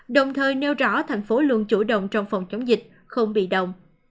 đồng thời nêu rõ thành phố luôn chủ động trong phòng chống dịch không bị động